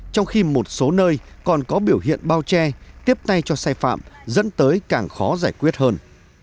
trong khi một số nơi còn có biểu hiện bao che tiếp tay cho sai phạm dẫn tới càng khó giải quyết hơn